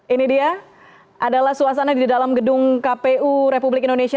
ini dia adalah suasana di dalam gedung kpu republik indonesia